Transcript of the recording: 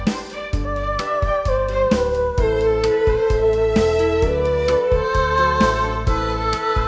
namun tetap tidak bisa